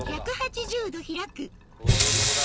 こういうことだ。